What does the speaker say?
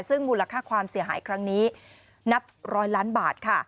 ซึ่งมูลค่าความเสียหายครั้งนี้นับร้อยล้านบาทค่ะ